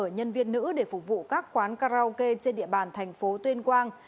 giúp đỡ nhân viên nữ để phục vụ các quán karaoke trên địa bàn thành phố tuyên quang